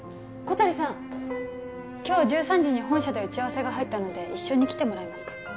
小鳥さん今日１３時に本社で打ち合わせが入ったので一緒に来てもらえますか？